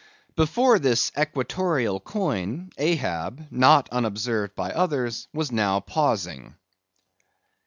Before this equatorial coin, Ahab, not unobserved by others, was now pausing.